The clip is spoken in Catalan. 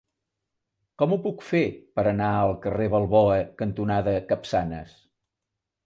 Com ho puc fer per anar al carrer Balboa cantonada Capçanes?